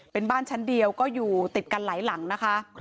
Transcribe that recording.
เป็นบ้านชั้นเดียวก็อยู่ติดกันหลายหลังนะคะ